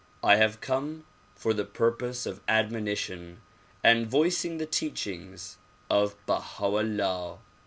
I have come for the purpose of admonition and voicing the teachings of Baha 'Ullah.